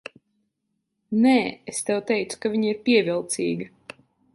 Nē, es tev teicu, ka viņa ir pievilcīga.